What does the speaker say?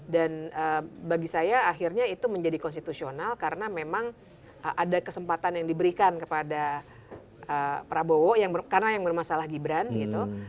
dan bagi saya akhirnya itu menjadi konstitusional karena memang ada kesempatan yang diberikan kepada prabowo karena yang bermasalah gibran gitu